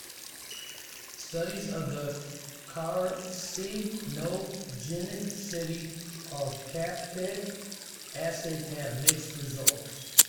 Studies of the carcinogenicity of caffeic acid have mixed results.